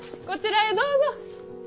こちらへどうぞ。